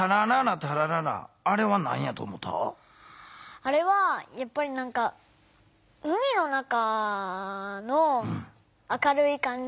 あれはやっぱりなんか海の中の明るい感じ？